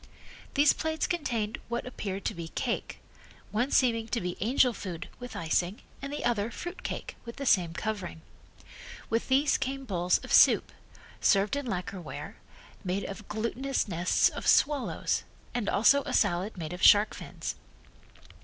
These plates contained what appeared to be cake, one seeming to be angel food with icing, and the other fruit cake with the same covering. With these came bowls of soup, served in lacquer ware, made of glutinous nests of swallows, and also a salad made of shark fins.